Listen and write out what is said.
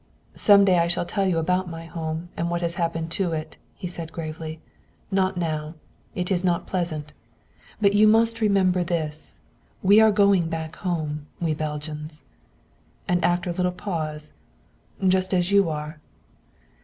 "Some day I shall tell you about my home and what has happened to it," he said gravely. "Not now. It is not pleasant. But you must remember this: We are going back home, we Belgians." And after a little pause: "Just as you are."